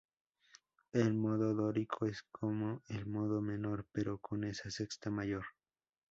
El modo dórico es como el modo menor pero con una sexta mayor.